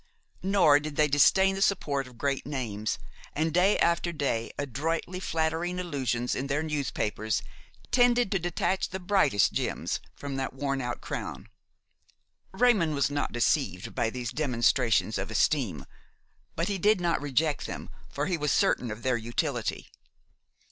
Nor did they disdain the support of great names, and day after day adroitly flattering allusions in their newspapers tended to detach the brightest gems from that worn out crown. Raymon was not deceived by these demonstrations of esteem; but he did not reject them, for he was certain of their utility.